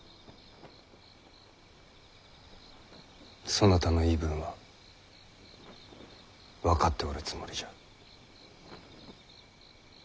そなたの言い分は分かっておるつもりじゃ。